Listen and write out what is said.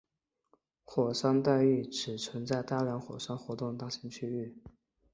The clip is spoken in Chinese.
火山带意指存在大量火山活动的大型区域。